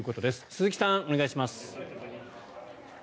鈴木さん、お願いします。